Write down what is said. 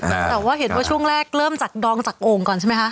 แต่ว่าเห็นว่าช่วงแรกเริ่มจากดองจากโอ่งก่อนใช่ไหมคะ